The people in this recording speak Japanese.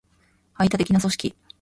排他的な組織